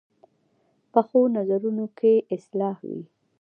پخو نظرونو کې اصلاح وي